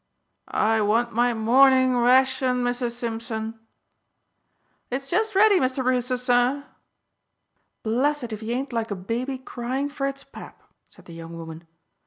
"I want my morning ration, Missus Simpson." "It's just ready, Mr. Brewster, sir." "Blessed if he ain't like a baby cryin' for its pap," said the young woman.